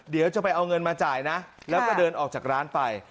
เดี๋ยวจะไปเอาเงินมาจ่ายนะแล้วก็เดินออกจากร้านไป